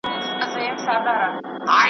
تاریخ د تمدنونو نښې ساتي.